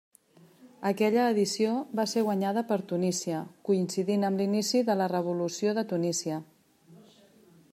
Aquella edició va ser guanyada per Tunísia, coincidint amb l'inici de la Revolució de Tunísia.